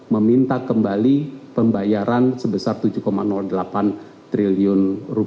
meminta kembali pembayaran sebesar rp tujuh delapan triliun